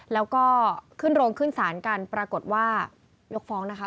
แล้วก็ขึ้นโรงขึ้นศาลกันปรากฏว่ายกฟ้องนะคะ